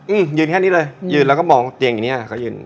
อืมยืนแค่นี้เลยยืนแล้วก็มองเตียงอย่างเนี้ยเขายืน